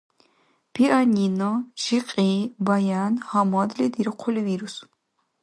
Пианино, жикьи, баян гьамадли дирхъули вирус.